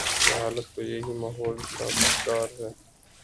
جہالت کو یہی ماحول سازگار ہے۔